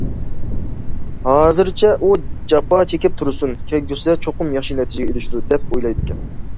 « ھازىرچە ئۇ جاپا چېكىپ تۇرسۇن، كەلگۈسىدە چوقۇم ياخشى نەتىجىگە ئېرىشىدۇ» دەپ ئويلايدىكەن.